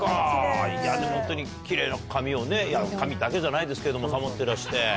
いやでもホントにキレイな髪をね。いや髪だけじゃないですけれども保ってらして。